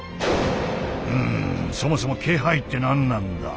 うんそもそも「気配」って何なんだ？